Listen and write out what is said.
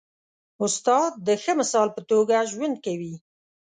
استاد د ښه مثال په توګه ژوند کوي.